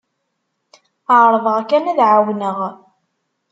Ɛerḍeɣ kan ad ɛawneɣ.